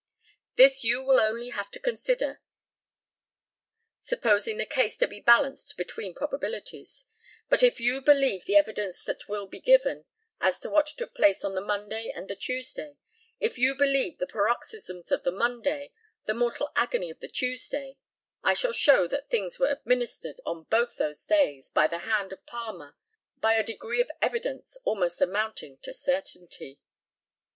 This you will only have to consider, supposing the case to be balanced between probabilities; but if you believe the evidence that will be given as to what took place on the Monday and the Tuesday if you believe the paroxysms of the Monday, the mortal agony of the Tuesday I shall show that things were administered, on both those days, by the hand of Palmer, by a degree of evidence almost amounting to certainty.